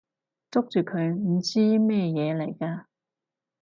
捉住佢！唔知咩嘢嚟㗎！